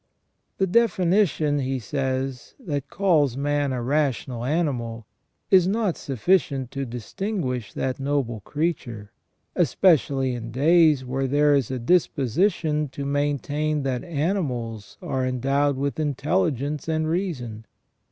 "The definition," he says, " that calls man a rational animal is not sufficient to distinguish that noble creature, especially in days where there is a disposition to maintain that animals are endowed with intelligence and reason.